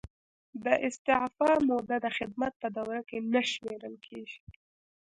د استعفا موده د خدمت په دوره کې نه شمیرل کیږي.